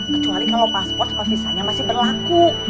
kecuali kalau pasport sama visanya masih berlaku